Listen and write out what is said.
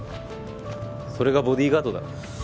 それがボディーガードだろ？